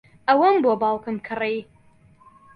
ئەوەم بۆ باوکم کڕی.